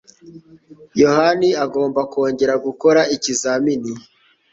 Yohani agomba kongera gukora ikizamini.